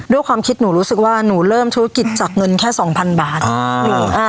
ด้วยความคิดหนูรู้สึกว่าหนูเริ่มธุรกิจจากเงินแค่สองพันบาท